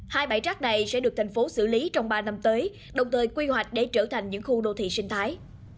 hai bãi rác này sẽ được thành phố xử lý trong ba năm tới đồng thời quy hoạch để trở thành những khu đô thị sinh thái